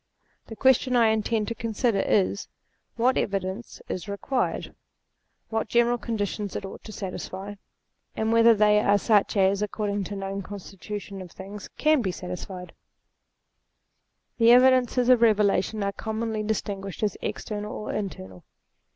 The question I intend to consider, is, what evidence is re quired ; what general conditions it ought to satisfy ; 216 THEISM and whether they are such as, according to the known constitution of things, can be satisfied. The evidences of Eevelation are commonly dis tinguished as external or internal.